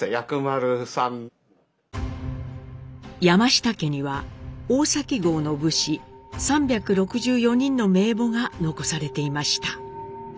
山下家には大崎郷の武士３６４人の名簿が残されていました。